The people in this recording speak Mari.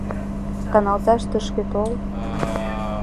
Каналташ тышке тол.